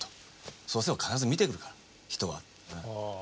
そうすれば必ず見てくれるから人は。